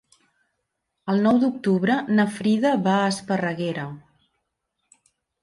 El nou d'octubre na Frida va a Esparreguera.